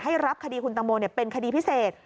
รับคดีคุณตังโมเป็นคดีพิเศษ